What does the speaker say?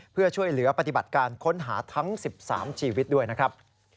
เพื่อช่วยเหลือปฏิบัติการค้นหาทั้ง๑๓ชีวิตด้วยนะครับ